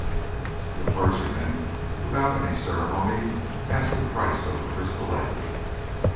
The clergyman, without any ceremony, asked the price of the crystal egg.